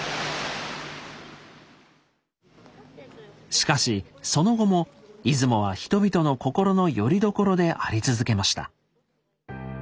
しかしその後も出雲は人々の心のよりどころであり続けました。